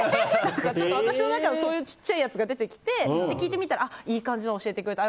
私の中のそういうちっちゃいやつが出てきて聞いてみたらいい感じの教えてくれた。